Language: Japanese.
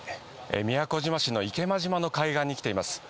宮古島市の池間島の海岸に来ています。